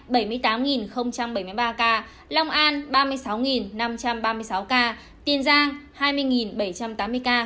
bình dương hai mươi tám bảy mươi ba ca lòng an ba mươi sáu năm trăm ba mươi sáu ca tiền giang hai mươi bảy trăm tám mươi ca